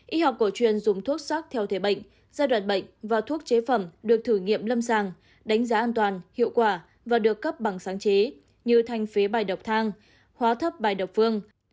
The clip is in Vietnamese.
y học cổ truyền dùng thuốc sắc theo thể bệnh giai đoạn bệnh và thuốc chế phẩm được thử nghiệm lâm sàng đánh giá an toàn hiệu quả và được cấp bằng sáng chế như thanh phế bài độc thang hóa thấp bài độc phương